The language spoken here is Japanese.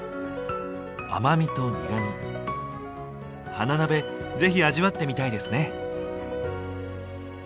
花鍋是非味わってみたいですね。